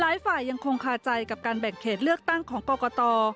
หลายฝ่ายยังคงคาใจกับการแบ่งเขตเลือกตั้งของกรกต